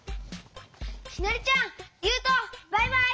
きなりちゃんゆうとバイバイ！